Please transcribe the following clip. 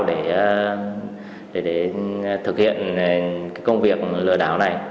để thực hiện công việc lừa đảo này